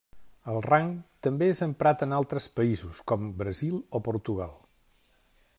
El rang també és emprat en altres països, com Brasil o Portugal.